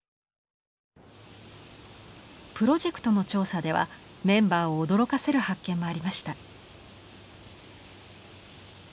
プロジェクトの調査ではメンバーを驚かせる発見もありました。